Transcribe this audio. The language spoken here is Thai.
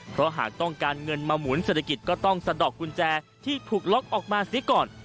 เพราะหากต้องการเงินมาหมุนเศรษฐกิจก็ต้องสะดอกกุญแจที่ถูกล็อกออกมาซิก่อน